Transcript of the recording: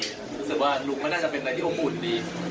รู้สึกว่าลุงก็น่าจะเป็นอะไรที่อบอุ่นดี